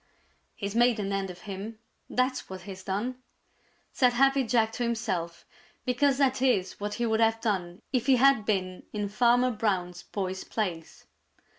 "He's made an end of him, that's what he's done!" said Happy Jack to himself, because that is what he would have done if he had been in Farmer Brown's boy's place.